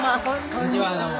こんにちはどうも。